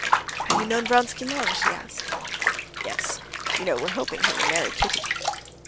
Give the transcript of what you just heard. "Have you known Vronsky long?" she asked. "Yes. You know we're hoping he will marry Kitty."